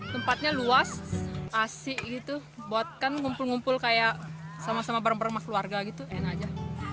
tempatnya luas asik buatkan ngumpul ngumpul kayak sama sama bareng bareng keluarga gitu enak aja